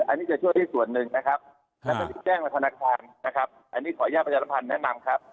อันญี่ขออนุญาตมันจะแนะนำครับ